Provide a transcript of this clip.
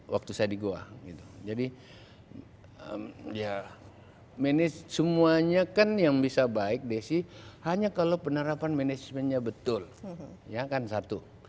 waktu saya di goa jadi semuanya kan yang bisa baik desi hanya kalau penerapan manajemennya betul ya kan satu